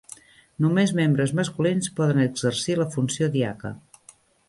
Només membres masculins poden exercir la funció diaca.